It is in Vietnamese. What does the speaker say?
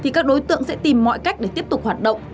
các đối tượng sẽ tìm mọi cách để tiếp tục hoạt động